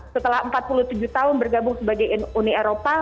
setelah empat puluh tujuh tahun bergabung sebagai uni eropa